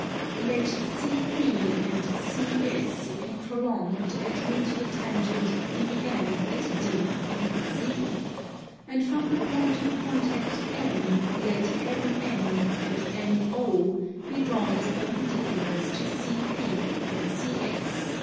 Let CP and CS be prolonged and meet the tangent DM at D and Z; and from the point of contact M let MN and MO be drawn as perpendiculars to CP and CS.